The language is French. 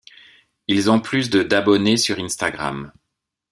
Ils ont plus de d'abonnés sur Instagram.